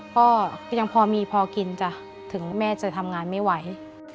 ก็ยังพอมีพอกินจ้ะถึงแม่จะทำงานไม่ไหว